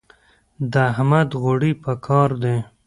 د احمد غوړي په کار دي.